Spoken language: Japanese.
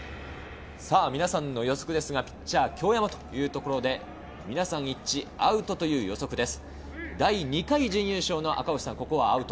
皆さんの予想ですが、ピッチャー・京山というところで一致、アウトという予想です。